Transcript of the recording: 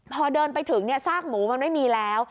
พอเดินไปถึงซากหมูมันไม่มีแล้ว